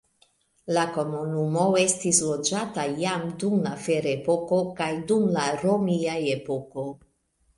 La komunumo estis loĝata jam dum la ferepoko kaj dum la romia epoko.